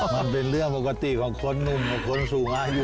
มันเป็นเรื่องปกติของคนหนุ่มกับคนสูงอายุ